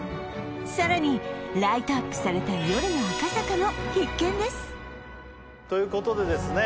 さらにライトアップされた夜の赤坂も必見ですということでですね